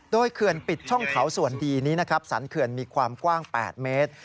โดยคืนปิดช่องเทาส่วนดีนี้สรรคืนมีความกว้าง๘เมตร